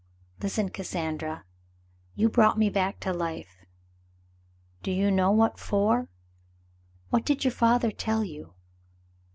"Listen, Cassandra. You brought me back to life. Do you know what for ? What did your father tell you